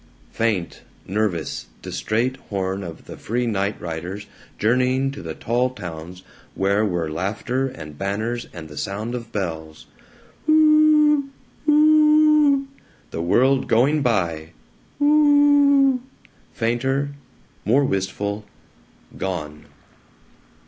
Uuuuuuu! faint, nervous, distrait, horn of the free night riders journeying to the tall towns where were laughter and banners and the sound of bells Uuuuu! Uuuuu! the world going by Uuuuuuu! fainter, more wistful, gone.